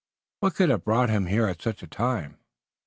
"What could have brought him here at such a time?"